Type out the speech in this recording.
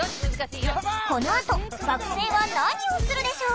このあと学生は何をするでしょう？